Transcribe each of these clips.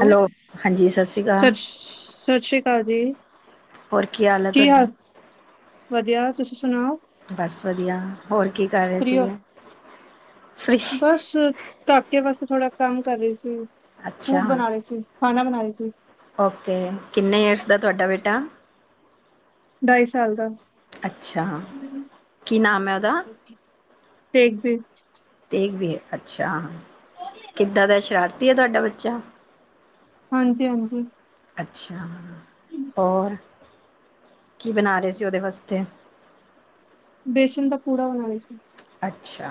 Hello ਹਾਂਜੀ ਸਾਸੀ ਸਤਿ ਕਾਲ। ਸਤਿ ਸ੍ਰੀ ਅਕਾਲ ਜੀ ਹੋਰ ਕੀ ਹਾਲ ਐ ਤੁਆਡਾ? ਵਧੀਆ ਤੁਸੀਂ ਸੁਣਾਓ। ਬਸ ਵਧੀਆ ਹੋਰ ਕੀ ਕਰ ਰੇ ਫਰੀ ਹੋ ਸੀਗੇ। ਫ੍ਰੀ- ਬਸ ਕਾਕੇ ਵਾਸੇ ਥੋੜਾ ਕੰਮ ਕਰ ਰੀ ਸੀ, ਅੱਛਾ ਫੂਡ ਬਣਾ ਰੀ ਸੀ। ਖਾਣਾ ਬਨਾ ਰੀ ਸੀ। ਓਕੇ ਕਿੰਨੇ ਇਅਰਸ ਦਾ ਤੁਆਡਾ ਬੇਟਾ? ਢਾਈ ਸਾਲ ਦਾ। ਅੱਛਾ, ਕੀ ਨਾਮ ਐ ਓਦਾ? ਤੇਗ਼ ਬੀਰ। ਤੇਗ ਵੀਰ, ਅੱਛਾ, ਕਿੱਦਾਂ ਦਾ ਸ਼ਰਾਰਤੀ ਏ ਤੁਆਡਾ ਬੱਚਾ? ਹਾਂਜੀ, ਹਾਂਜੀ। ਅੱਛਾ, ਔਰ ਕੀ ਬਣਾ ਰੇ ਸੀ ਓਦੇ ਵਸਤੇ? ਬੇਸਣ ਦਾ ਪੂੜਾ ਬਣਾ ਰੀ ਸੀ। ਅੱਛਾ,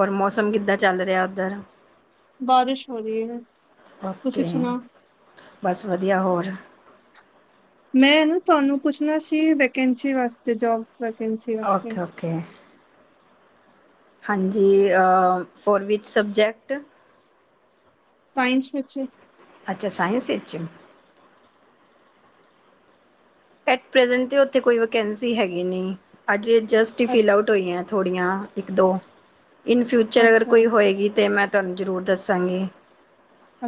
ਔਰ ਮੌਸਮ ਕਿੱਦਾਂ ਚੱਲ ਰਿਆ ਓਧਰ? ਬਾਰਿਸ਼ ਹੋ ਰੀ ਏ। ਤੁਸੀਂ ਓਕੇ ਸੁਣਾੳ? ਬਸ ਵਧੀਆ, ਹੋਰ- ਮੈਂ ਨਾ ਤੁਆਨੂੰ ਪੁੱਛਣਾ ਸੀ, ਵੈਕੈਂਸੀ ਵਾਸਤੇ- ਜੋਬ ਵੈਕੈਂਸੀ ਵਾਸਤੇ। ਕੈ- ਹਾਂਜੀ ਆ, ਫੋਰ ਵਿਚ ਸਬਜੈਕਟ? ਸਾਇੰਸ ਵਿੱਚ। ਅੱਛਾ, ਸਾਇੰਸ ਇੱਚ। ਐਟ ਪਰੇਜੰਟ, ਓਥੇ ਕੋਈ ਵਕੈਂਸੀ ਹੈਗੀ ਨੀ। ਅੱਜੇ ਜਸਟ‌ ਈ ਫਿਲ ਅੱਛ- ਆਉਟ- ਹੋਈਆਂ ਥੋੜੀਆਂ ਇੱਕ -ਦੋ, ਇਨ ਫਿਊਚਰ ਅਗਰ ਅੱਛਾ ਕੋਈ ਹੋਏਗੀ ਤੇ ਮੈਂ- ਤਾਨੂੰ ਜ਼ਰੂਰ ਦੱਸਾਂਗੀ।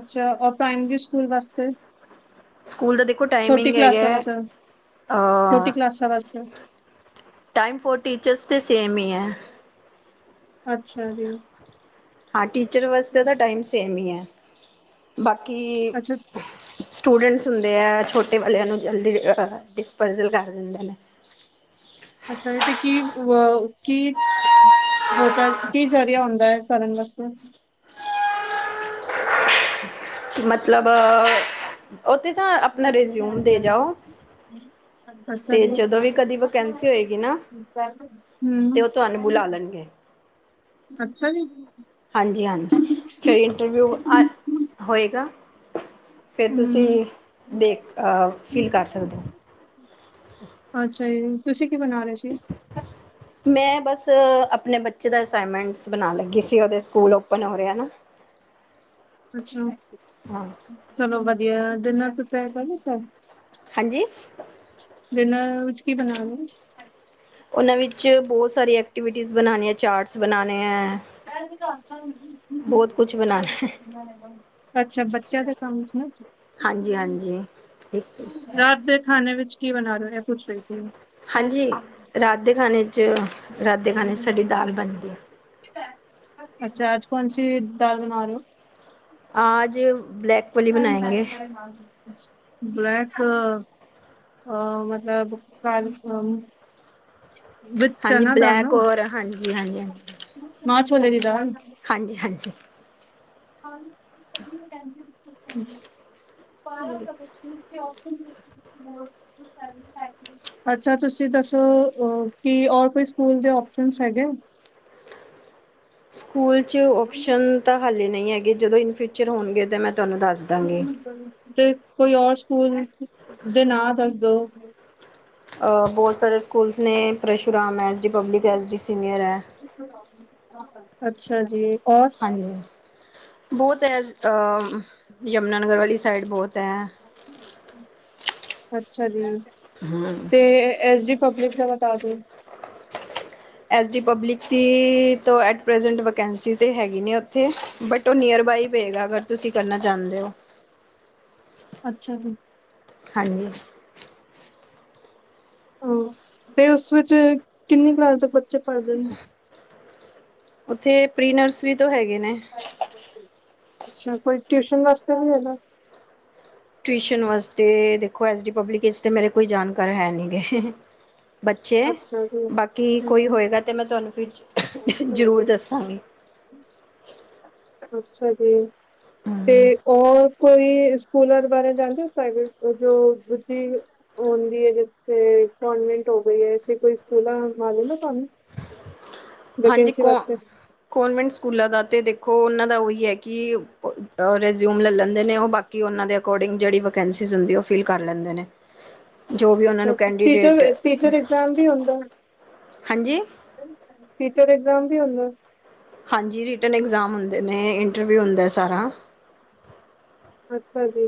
ਅੱਛਾ, ਆ ਪ੍ਰਾਇਮਰੀ ਸਕੂਲ ਵਾਸਤੇ? ਸਕੂਲ ਦਾ ਦੇਖੋ, ਛੋਟੀ ਟਾਈਮਿੰਗ ਕਲਾਸਾਂ ਵਾਸਤੇ ਛੋਟੀ ਹੈਗਾ-ਆ ਕਲਾਸਾਂ ਵਾਸਤੇ ਟਾਈਮ ਫੋਰ ਟੀਚਰਸ ਤੇ ਸੇਮ ਈ ਐ। ਅੱਛਾ ਜੀ। ਹਾਂ, ਟੀਚਰ ਵਾਸਤੇ ਤਾਂ ਟਾਈਮ ਸੇਮ ਈ ਐ। ਬਾਕੀ- ਅੱਛਾ ਸਟੂਡੈਂਟਸ ਹੁੰਦੇ ਆ ਛੋਟੇ ਵਾਲਿਆਂ ਨੂੰ ਜਲਦੀ, ਆਆ ਡਿਸਪਜ਼ਲ ਕਰ ਦਿੰਦੇ ਨੇ। ਅੱਛਾ ਏ, ਤੇ ਕੀ ਵੋ ਕੀ- ਓ ਤਾਂ ਕੀ ਜ਼ਰੀਆ ਹੁੰਦਾ ਐ, ਕਰਨ ਵਾਸਤੇ। ਮਤਲਬ ਉੱਥੇ ਤਾਂ ਆਪਣਾ ਰਿਜ਼ਿਊਮ ਦੇ ਜਾਓ [unintelligible] ਬਚਾ ਅਤੇ ਜੇ [unintelligible] ਜਦੋਂ ਵੀ ਕਦੀ ਵੈਕੈਂਸੀ ਹੋਏਗੀ ਨਾ ਹੂੰ, ਤੇ ਉਹ ਤੁਹਾਨੂੰ ਬੁਲਾ ਲੈਣਗੇ ਅੱਛਾ ਜੀ। ਹਾਂਜੀ ਹਾਂਜੀ, ਹਮ ਫਿਰ ਇੰਟਰਵਿਊ ਆ ਹੋਏਗਾ। ਫਿਰ ਤੁਸੀਂ ਦੇਖ, ਅਹ ਫੀਲ ਕਰ ਸਕਦੇ ਔ। ਅੱਛਾ ਜੀ, ਤੁਸੀਂ ਕੀ ਬਣਾ ਰੇ ਸੀ? ਮੈਂ ਬਸ ਅਪਣੇ ਬੱਚੇ ਦਾ ਅਸਾਈਮੈਂਟਸ ਬਣਾਣ ਲੱਗੀ ਸੀ, ਓਦੇ ਸਕੂਲ ਓਪਨ ਹੋ ਰੇ ਐ ਨਾ। ਅੱਛਾ, ਹਾਂ ਚਲੋ ਵਧੀਐ। ਡਿਨਰ ਪ੍ਰੀਪੇਅਰ ਕਰ ਲਿਤਾ? ਹਾਂਜੀ? ਡਿਨਰ ਵਿੱਚ ਕੀ ਬਣਾ ਰੇ ਔ? ਓਨਾਂ ਵਿੱਚ ਬੌਤ ਸਾਰੀ ਐਕਟੀਵਿਟੀਜ਼ ਬਣਾਣੇ ਐ, ਚਾਰਟਸ ਬਣਾਣੇ ਐ। ਪੈਲੇ ਵੀ ਦਾਸ ਤਾ ਹੂ ਬਣਾਉਣਾ ਹੈ [unintelligible] ਅੱਛਾ, ਬੱਚਿਆਂ ਦੇ ਕੰਮ 'ਚ ਨਾ ਕੀ ਹਾਂਜੀ ਹਾਂਜੀ। ਇੱਕ ਰਾਤ ਦੇ ਖਾਣੇ ਵਿੱਚ ਕੀ ਬਣਾ ਰੇ ਔ? ਏ ਪੁੱਛ ਰੀ ਸੀ ਮੈਂ। ਹਾਂਜੀ, ਰਾਤ ਦੇ ਖਾਣੇ 'ਚ, ਰਾਤ ਦੇ ਖਾਣੇ 'ਚ ਸਾਡੀ ਦਾਲ ਬਣਦੀ ਐ। ਅੱਛਾ, ਆੱਜ ਕੌਣਸੀ ਦਾਲ ਬਣਾ ਰੇ ਔ? ਆਜ ਬਲੈਕ ਵਾਲੀ ਬਣਾਏਂਗੇ ਬਲੈਕ। ਅ ਮਤਲਬ ਵਿਦ ਹਾਂਜੀ ਚਨਾ ਬਲੈਕ ਔਰ ਹਾਂਜੀ ਹਾਂਜੀ ਹਾਂਜੀ। ਮਾਂ-ਛੋਲੇ ਦੀ ਦਾਲ। ਹਾਂਜੀ, ਹਾਂਜੀ। [unintelligible] ਤੇ ਆਪਸ਼ਨ ਗਰੁੱਪ ਚ ਮੋਰ ਦ ਸੈਵੇਨਟੀ ਫਾਈਵ ਅੱਛਾ ਤੁਸੀਂ ਦੱਸੋ, ਅ ਕਿ ਔਰ ਕੋਈ ਸਕੂਲ ਦੇ ਓਪਸ਼ਨਸ ਹੈਗੇ? ਸਕੂਲ 'ਚ ਓਪਸ਼ਨ ਤਾਂ ਹਾਲੇ ਨਈ ਹੈਗੇ, ਜਦੋਂ ਇਨ ਫਿਊਚਰ ਹੋਨਗੇ ਤੇ ਮੈਂ ਤੁਆਨੂੰ ਦੱਸ ਦ ਤੇ ਕੋਈ ਔਰ ਸਕੂਲ ਦੇ ਨਾ ਦੱਸ ਦੋ। ਅ ਬੌਤ ਸਾਰੇ ਸਕੂਲਸ ਨੇ ਪਰਸੂ਼ਰਾਮ ਐ, S D public, S D senior ਐ। ਅੱਛਾ ਜੀ। ਔਰ ਹਾਂਜੀ। ਬੌਤ ਐ, ਅਹ ਯਮੁਨਾਨਗਰ ਵਾਲੀ ਸਾਈਡ ਬੌਤ ਐ। ਅੱਛਾ ਜੀ। ਹੂੰ। ਤੇ ਐਸ ਡੀ ਪਬਲਿਕ ਦਾ ਬਤਾ ਦੋ। ਐਸ ਡੀ ਪਬਲਿਕ ਦੀ ਤੋ ਐਟ ਪ੍ਰੈਜੈਂਟ ਵੈਕੈਂਸੀ ਤੇ ਹੈਗੀ ਨੀ ਓਥੇ। ਬਟ ਤੋ ਨੀਅਰ ਬਾਈ ਪਏਗਾ ਅਗਰ ਤੁਸੀਂ ਕਰਨਾ ਚਾੰਦੇ ਔ। ਅੱਛਾ ਜੀ। ਹਾਂਜੀ। ਅ ਤੇ ਉਸ ਵਿੱਚ ਕਿੰਨੀ ਕਲਾਸ ਤੋਂ ਬੱਚੇ ਪੜ੍ਹਦੇਨ? ਉੱਥੇ ਪ੍ਰੀ ਨਰਸਰੀ ਤੋਂ ਹੈਗੇ ਨੇ। ਅੱਛਾ, ਕੋਈ ਟਿਊਸ਼ਨ ਵਾਸਤੇ ਵੀ ਹੈਗੈ? ਟਿਊਸ਼ਨ ਵਾਸਤੇ ਦੇਖੋ ਐਸ ਡੀ ਪਬਲਿਕ ਇਸ ਤੇ ਮੇਰੇ ਕੋਈ ਜਾਣਕਾਰ ਹੈ ਨੀ ਗੇ। ਬੱਚੇ, ਅੱਛਾ ਜੀ ਬਾਕੀ ਕੋਈ ਹਮ, ਹੋਏਗਾ ਤੇ ਮੈਂ ਤੁਆਨੂੰ ਫਿਉਚ ਜ਼ਰੂਰ ਦੱਸਾਂਗੀ। ਅੱਛਾ ਜੀ। ਤੇ ਔਰ ਕੋਈ ਸਕੂਲਾਂ ਦੇ ਬਾਰੇ ਜਾਨਦੇ ਔ, ਪ੍ਰਾਈਵੇਟ ਜੋ ਜਿ ਹੁੰਦੀ ਏ, ਜਿੱਸਤੇ ਕੋਨਵੈਂਟ ਹੋ ਗਈ ਐਸੀੇ ਕੋਈ ਸਕੂਲਾਂ ਮੋਲੂਮ ਏ ਤੁਆਨੂੰ? ਹਾਂਜੀ, ਕੌ ਕਨਵੈਂਟ ਸਕੂਲਾਂ ਦਾ ਤੇ ਦੇਖੋ ਉਨਾਂ ਦਾ ਉਈ ਏ ਕਿ ਰਜਿਊਮ ਲੈ ਲੈਂਦੇ ਨੇ ਉਹ ਬਾਕੀ ਕਿ ਉਨਾਂ ਦੇ ਅਕੋਰਡਿੰਗ ਜੇੜੀ ਵਕੇਨਿਸੀਜ ਹੁੰਦੀ ਉ ਫਿਲ ਕਰ ਲੈਂਦੇ ਨੇ। ਜੋ ਵੀ ਉਹਨਾਂ ਅ ਨੂੰ ਕੈਂਡੀਡੇਟ ਟੀਚਰ, ਟੀਚਰ ਇਗਜਾਮ ਵੀ ਹੁੰਦਾ। ਹਾਂਜੀ! ਟੀਚਰ ਐਗਜ਼ਾਮ ਵੀ ਹੁੰਦਾ। ਹਾਂਜੀ ਰਿਟਰਨ ਐਗਜ਼ਾਮ ਹੁੰਦੇ ਨੇ, ਇੰਟਰਵਿਊ ਹੁੰਦਾ ਸਾਰਾ। ਅੱਛਾ ਜੀ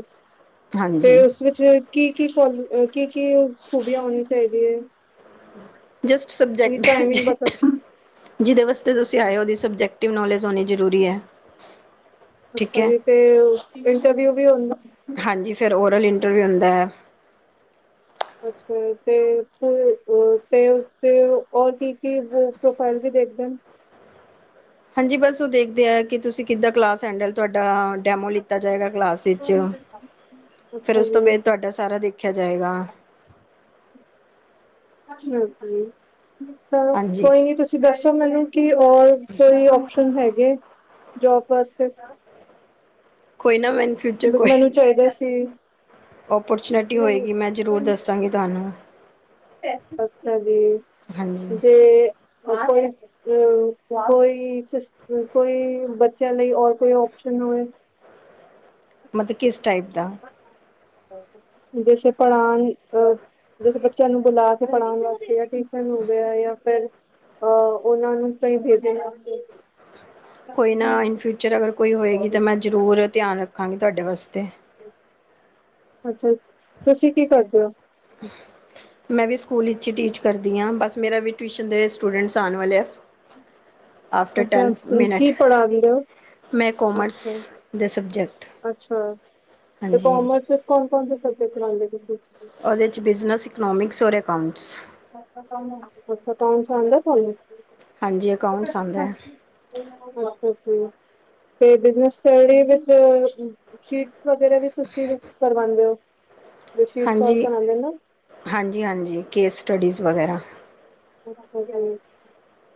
ਤੇ ਹਾਂਜੀ ਉਸ ਵਿੱਚ ਕੀ- ਕੀ ਫੋਲ ਅ ਕੀ, ਕੀ ਖੂਬੀਆ ਹੋਣੀਆ ਚਾਹੀਦੀਆ ਏ। ਜਸਟ ਸਬਜੈਕਟ ਜ ਟਾਈਮਿੰਗ ਬਤਾ ਜਿਦੇ ਵਾਸਤੇ ਤੁਸੀਂ ਆਏ ਓ ਉਦੀ ਸਬਜੈਕਟਿਵ ਨੌਲੇਜ ਹੋਨੀ ਜ਼ਰੂਰੀ ਏ। ਅੱਛਾ ਜੀ ਤੇ ਇੰਟਰਵਿਊ ਵੀ ਹੂਂ ਹਾਂਜੀ ਫੇਰ ਓਰਲ ਇੰਟਰਵਿਊ ਹੁੰਦੈ। ਅੱਛਾ ਤੇ, ਤੇ ਉਸ ਰ ਔਰ ਕੀ ਕੀ ਪ੍ਰੋਫਾਈਲ ਵੀ ਦੇਖਦੇਨ। ਹਾਂਜੀ ਬਸ ਉ ਦੇਖਦੇ ਆ ਕਿ ਤੁਸੀਂ ਕਿੱਦਾਂ ਕਲਾਸ ਹੈਂਡਲ ਤੁਹਾਡਾ ਡੈਮੋ ਲਿੱਤਾ ਜਾਏਗਾ ਕਲਾਸ ਵਿੱਚ ਫੇਰ ਅੱਛਾ ਉਸ ਤੋਂ ਬਾਦ ਤੁਹਾਡਾ ਸਾਰਾ ਦੇਖਿਆ ਜਾਏਗਾ। ਠ ਕੋਈ ਹਾਂਜੀ ਨੀ ਤੁਸੀਂ, ਤੁਸੀਂ ਦੱਸੋ ਮੈਨੂੰ ਕਿ ਔਰ ਕੋਈ ਆਪਓਸ਼ਨ ਹੈਗੇ, ਜੋਬ ਵਾਸਤੇ। ਕੋਈ ਨਾ ਮੈਨੂੰ ਫਿਊਚਰ ਮੈਨੂੰ ਕੋਈ, ਚਾਹੀਦਾ ਸੀ ਓਪਰਚੁਨਿਟੀ ਨਹੀਂ ਹੋਏਗੀ, ਮੈਂ ਜਰੂਰ ਦੱ ਸਾਂਗੀ ਤੁਹਾਨੂੰ। ਅੱਛਾ ਜੀ, ਹਾਂਜੀ ਜੇ ਕੋਈ ਅ ਕੋਈ ਸਿਸ ਕੋਈ ਬੱਚਿਆਂ ਲਈ ਔਰ ਕੋਈ ਓਪਸ਼ਨ ਹੋਵੇ। ਮਤਲਬ ਕਿਸ ਟਾਈਪ ਦਾ? ਜੈਸੇ ਪੜਾਨ ਅ ਜੈਸੇ ਬੱਚਿਆਂ ਨੂੰ ਬੁਲਾ ਥ ਪੜ੍ਹਾਣ ਵਾਸਤੇ ਟਿਊਸ਼ਨ ਹੁੰਦੇ ਆ, ਜਾਂ ਫਿਰ ਅਹ ਉਹਨਾਂ ਨੂੰ ਤਾਂਹੀ ਭੇਜਣ ਵਾਸਤੇ ਕੋਈ ਨਾ ਇਨ ਫਿਊਚਰ ਅਗਰ ਕੋਈ ਹੋਏਗੀ ਤਾਂ ਮੈਂ ਜ਼ਰੂਰ ਧਿਆਨ ਰੱਖਾਂਗੀ ਤੁਹਾਡੇ ਵਾਸਤੇ। ਅੱਛਾ! ਤੁਸੀਂ ਕੀ ਕਰਦੇ ਹੋ? [unintelligible] ਮੈਂ ਵੀ ਸਕੂਲ ਵਿੱਚ ਟੀਚ ਕਰਦੀ ਆ, ਬਸ ਮੇਰਾ ਵੀ ਟਿਊਸ਼ਨ ਦੇ ਸਟੂਡੈਂਟਸ ਆਣ ਵਾਲੇ ਆ। ਆਫਟਰ ਅੱਛਾ ਟੈਨ ਮਿੰਨਟ ਕੀ ਪੜਾਨਦੇ ਹੋ? ਮੈਂ ਕੋਮਰਸ ਅੱਛਾ, ਦੇ ਸਬਜੈਕਟ ਅੱਛਾ ਤੇ ਹਾਂਜੀ ਕਮਰਸ ਕੌਣ, ਕੌਣ ਸਬਜੈਕਟ ਲਾਂਦੇ ਤੁਸੀ? ਉਹਦੇ 'ਚ ਬਿਜ਼ਨਸ, ਇਕਨੋਮਿਕਸ ਔਰ ਅਕਾਊਂਟਸ। ਅੱਛਾ ਕੰਮ, ਅਕਾਊਂਟਸ ਆਂਦਾ ਤੁਹਾਨੂੰ। ਹਾਂਜੀ ਜ਼ਅਕਾਊਂਟਸ ਆਂਦਾ ਏ। ਤੇ ਬਿਜਨਸ ਸਟੱਡੀ ਵਿੱਚ, ਸ਼ੀਟਸ ਵਗੈਰਾ ਵੀ ਤੁਸੀਂ ਕਰਵਾਉਦੇ ਓ, ਸ਼ੀਟ ਸੋਲਵ ਹਾਂਜੀ ਕਰਾਉਦੇ ਨਾ। ਹਾਂਜੀ, ਹਾਂਜੀ ਕੇਸ ਸਟੱਡੀਜ਼ ਵਗੈਰਾ।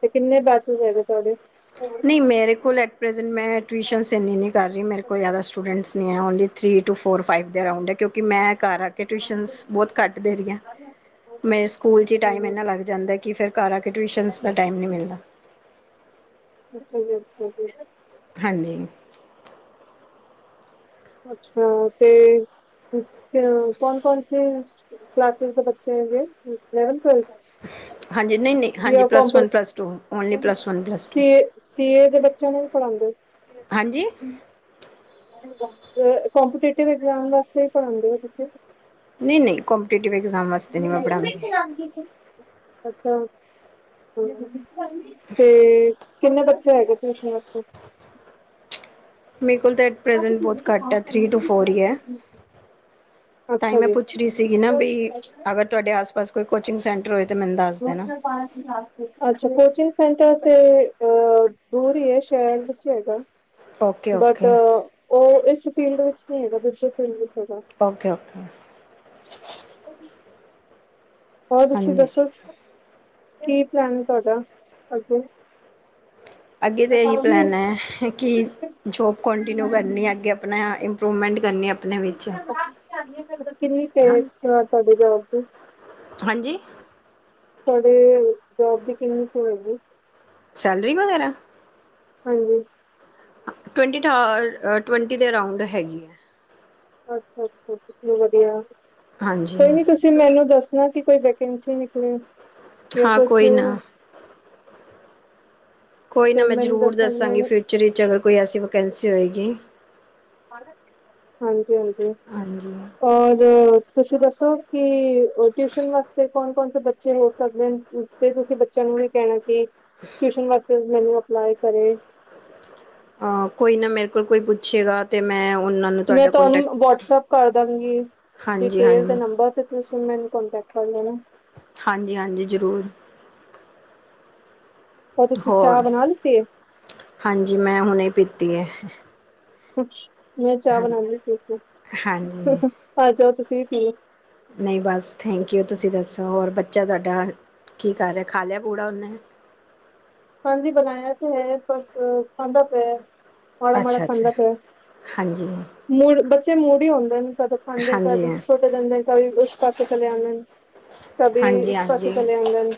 ਤੇ ਕਿੰਨੇ ਬੇਚੇਸ ਹੈਗੇ ਤੁਹਾਡੇ? ਨਹੀਂ ਮੇਰੇ ਕੋਲ ਐਪਰਜਨ ਮੈਂ ਟਿਊਸ਼ਨਸ ਇੰਨੀ ਨਹੀਂ ਕਰ ਰਹੀ, ਮੇਰੇ ਕੋਲ ਜ਼ਿਆਦਾ ਸਟੂਡੈਂਟਸ ਨਹੀਂ ਹੈ only three two four five ਦੇ ਅਰਾਊਂਡ ਐ, ਕਿਉਂਕਿ ਮੈਂ ਘਰ ਕੇ ਟਿਊਸ਼ਨ ਬਹੁਤ ਘੱਟ ਦੇ ਰਹੀ ਆਂ, ਮੈਂ ਸਕੂਲ 'ਚ ਹੀ ਟਾਈਮ ਇੰਨਾ ਲੱਗ ਜਾਂਦਾ ਕਿ ਫਿਰ ਘਰ ਆ ਕੇ ਟਿਊਸ਼ਨਸ ਦਾ ਟਾਈਮ ਨਹੀਂ ਮਿਲਦਾ। ਤੁਸੀਂ ਦਸੋ ਜੀ? ਹਾਂਜੀ। ਅੱਛਾ ਤੇ ਕੋਣ, ਕੌਣ ਸ ਕਲਾਸਿਸ ਦੇ ਬੱਚੇ ਹੈਗੇ, ਇਲੇਂਵੇਂਥ ਟਵਲਥ ਤੱਕ। ਹਾਂਜੀ ਨਹੀਂ, ਨਹੀਂ ਹਾਂਜੀ plus one, plus two. Only plus one, plus two. C CA ਦੇ ਬੱਚਿਆਂ ਨੂੰ ਨਹੀਂ ਪੜ੍ਹਾਉਂਦੇ! ਹਾਂਜੀ! ਕੰਪੀਟਿਟਵ ਐਗਜ਼ਾਮ ਵਾਸਤੇ ਹੀ ਪੜ੍ਹਾਂਦੇ ਤੁਸੀ? ਨਹੀਂ, ਨਹੀਂ ਕੰਮੀਪੀਟੀਟਿਵ ਐਗਜ਼ਾਮ ਵਾਸਤੇ ਨਹੀਂ ਮੈਂ ਪੜਾਂਦੀ। ਪੰਜ ਹੀ ਕੁ ਅੱਛਾ। ਤੇ, ਕਿੰਨੇ ਬੱਚੇ ਹੈਗੇ ਟਿਊਸ਼ਨ ਵਾਸਤੇ? ਮੇਰੇ ਕੋਲ ਤਾਂ ਪ੍ਰੈਜੈਂਟ ਬਹੁਤ ਘੱਟ ਐ, ਥਰੀ ਟੂ ਫੋਰ ਈ ਐ। ਤਾਂ ਹੀ ਅੱਛਾ ਮੈਂ ਜੀ ਪੁੱਛ ਰਹੀ ਸੀਗੀ ਨਾ ਬਈ, ਅਗਰ ਤੁਹਾਡੇ ਆਸ- ਪਾਸ ਕੋਈ ਕੋਚਿੰਗ ਸੈਂਟਰ ਹੋਏ। ਤਾਂ ਮੈਨੂੰ ਦੱਸ ਰੋਜ਼ ਦੇਣਾ ਮੈਂ ਪਾਣੀ ਡਾਲ ਕੇ ਅੱਛਾ, ਕੋਚਿੰਗ ਸੈਂਟਰ ਤੇ ਦੂਰ ਹੀ ਏ, ਸ਼ਹਿਰ ਵਿੱਚ ਹੋਏਗਾ। ਓਕੇ ਬਟ ਓਕੇ ਉਹ, ਇਸ ਫੀਲਡ ਵਿੱਚ ਨਹੀਂ ਹੈਗਾ, ਦੂਸਰੀ ਫੀਲਡ ਵਿੱਚ ਹੈਗਾ। ਓਕੇ-ਓਕੇ [unintelligible] ਹੋਰ ਤੁਸੀਂ ਹਾਂਜੀ ਦੱਸੋ ਕੀ, ਪਲੈਨ ਏ ਤੁਹਾਡਾ ਅੱਗੇ ਅੱਗੇ ਤਾਂ ਇਹੀ ਪਲੈਨ ਏ ਕਿ ਜੋਬ ਕੋਟਿੰਨਿਊ ਕਰਨੀ ਏ ਅੱਗੇ ਅਪਨਾ ਰੋਮੈਂਟ ਕਰਨੀ ਆਪ [unintelligible] ਕਿੰਨੀ ਹਾਂ ਸਾਡੇ ਜੋਬ ਚ ਹਾਂਜੀ ਅਰੇ, ਜੋਬ ਦੀ ਕਿੰਨੀ ਸੀ ਹੋਏਗੀ ਸੈਲਰੀ, ਵਗੈਰਾ ਹਾਂਜੀ ਟਵੰਟੀ ਠਾਰ ਟਵੰਟੀ ਦੇ ਅਰਾਂੳਡ ਹੈਗੀ ਏ ਅੱਛਾ-ਅੱਛਾ ਵਦੀਆ ਹਾਂਜੀ ਕੋਈ ਨੀ ਤੁਸੀਂ ਤੁਸੀਂ ਮੈਨੂੰ ਦੱਸਨਾ ਕਿ ਕੋਈ ਵੈਕੰਸੀ ਨਿਕਲੇ ਜਾਂ ਹਾਂ ਕੁਛ ਕੋਈ ਨਾ ਕੋਈ ਨਾ ਤੇ ਮੈਂ ਮੈਨੂੰ ਜ਼ਰੂਰ ਦੱਸਣਾ ਕਿ ਮੈਂ ਦੱਸਾਂਗੀ, ਫਿਊਚਰ ਇਚ ਅਗਰ ਕੋਈ ਐਸੀ ਵੈਕੰਸੀ ਹੋਏਗੀ। ਹਾਂਜੀ- ਹਾਂਜੀ ਹਾਂਜੀ ਔਰ ਤੁਸੀਂ ਦੱਸੋ ਕਿ ਟਿਊਸ਼ਨ ਵਾਸਤੇ ਕੌਣ- ਕੌਣ ਸੇ ਬੱਚੇ ਹੋ ਸਕਦੇ ਤੇ ਤੁਸੀਂ ਬੱਚਿਆਂ ਨੂੰ ਵੀ ਕਹਿਣਾ, ਕਿ ਟਿਊਸ਼ਨ ਵਾਸਤੇ ਮੈਨੂ ਅਪਲਾਈ ਕਰੇ ਅਹ ਕੋਈ ਨਾ, ਮੇਰੇ ਕੋਲ ਕੋਈ ਪੁੱਛੇਗਾ ਤੇ, ਮੈਂ ਉਹਨਾਂ ਨੂੰ ਮੈਂ ਤੁਹਾਡਾ ਕੋਂਟੈਕਟ ਤੁਹਾਨੂੰ ਵਟਸਐਪ ਕਰ ਦਾਂਗੀ ਹਾਂਜੀ ਡਿਟੇਲ ਦੇ ਹਾਂਜੀ ਨੰਬਰ ਤੇ ਤੁਸੀਂ ਮੈਨੂੰ ਕੋਂਟੈਕਟ ਕਰ ਲੈਨਾ ਹਾਂਜੀ -ਹਾਂਜੀ ਜ਼ਰੂਰ ਉਹ ਤੁਸੀਂ, ਚਾਹ ਹੋਰ ਬਨਾ ਲਿਤੀ ਏ ਹਾਂਜੀ ਮੈਂ ਹੁਨੇ ਈ ਪੀਤੀ ਏ ਮੈਂ, ਚਾਹ ਬਨਾੰਦੀ ਪਈ ਹਾਂਜੀ ਸੀ ਆ ਜਾਓ ਤੁਸੀਂ ਵੀ ਪੀ ਲਓ ਨਹੀਂ ਬਸ ਥੈਂਕ ਯੂ ਤੁਸੀਂ ਦੱਸੋ ਹੋਰ ਬੱਚਾ ਤੁਹਾਡਾ ਕੀ ਕਰ ਰਿਹਾ ਖਾ ਲਿਆ ਪੂੜਾ ਉਹਨੇ ਹਾਂਜੀ ਬਨਾਇਆ ਤੇ ਹੈ ਪਰ ਖਾੰਦਾ ਪਿਆ ਮਾੜਾ ਮਾੜਾ ਅੱਛਾ ਅੱਛਾ ਖਾਂਦਾ ਪਿਆ ਹਾਂਜੀ ਏ ਫਿਰ ਬੱਚੇ ਮੁੂੜੀ ਹੁੰਦੇ ਨੇ ਕਦੋਂ ਹਾਂਜੀ, ਕਦੀ ਸੁਟ ਜਾਂਦੇ ਕਵੀ, ਉਸ ਪਾਸੇ ਚਲੇ ਆਉਦੇ ਨੇ ਕਬੀ ਹਾਂਜੀ ਇਸ ਪਾਸੇ ਹਾਂਜੀ ਚਲੇ, ਆਂਦੇ ਨ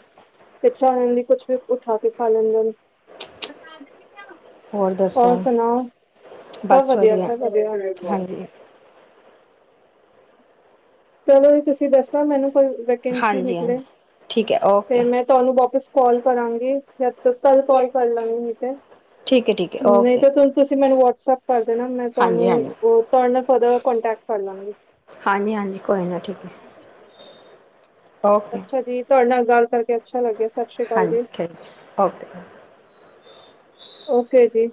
ਇਛਾ ਹੂੰਦੀ ਕੁਛ ਵੀ ਉਠਾ ਕੇ ਖਾ ਲੈਂਦੇ ਹੋਰ ਸੁਨਾੳ ਸਭ ਬਸ ਵਦੀਆ ਵਧੀਆ ਸਭ ਵਦੀਆ ਹਾਂਜੀ ਚਲੋ, ਤੁਸੀਂ ਦੱਸਨਾ ਮੈਨੂੰ ਕੋਈ ਵੈਕੈਂਸੀ ਹਾਂਜੀ ਨਿਕਲੇ ਹਾਂਜੀ ਠੀਕ ਹੈ ਓਕੇ ਤੇ ਮੈਂ ਤੁਹਾਨੂੰ ਵਾਪਿਸ ਕੋਲ ਕਰਾਂਗੀ ਜਾਂ ਕੱਲ ਕੋਲ ਕਰ ਲਾਂਗੇ ਨੀ ਤੇ ਠੀਕ ਹੈ ਠੀਕ ਹੈ ਨਹੀਂ ਓਕੇ ਤਾਂ ਤੇ ਤੁਸੀਂ, ਮੈਨੂੰ ਵਟਸਐਪ ਕਰ ਦੇਨਾ ਮੈਂ ਹਾਂਜੀ ਤੁਹਾਨੂੰ ਹਾਂਜੀ ਉਹ ਤੁਹਾਡੇ ਨਾਲ ਫਰਦਰ ਕੋਂਟੈਕਟ ਕਰ ਲਾਂਗੀ ਹਾਂਜੀ -ਹਾਂਜੀ ਕੋਈ ਨਾ ਠੀਕ ਏ ਓਕੇ ਅੱਛਾ ਜੀ, ਤੁਹਾਡੇ ਨਾਲ ਗੱਲ ਕਰਕੇ, ਅੱਛਾ ਲੱਗਿਆ ਸ਼੍ਰੀ ਅਕਾਲ ਹਾਂਜੀ ਜੀ ਠੀਕ ਏ ਓਕੇ ਓਕੇ, ਜੀ